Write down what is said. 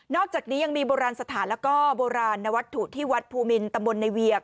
อกจากนี้ยังมีโบราณสถานแล้วก็โบราณนวัตถุที่วัดภูมินตำบลในเวียก